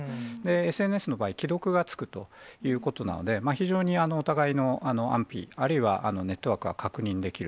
ＳＮＳの場合、既読がつくということなので、非常にお互いの安否あるいはネットワークは確認できる。